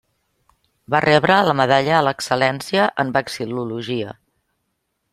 Va rebre la medalla a l'excel·lència en vexil·lologia.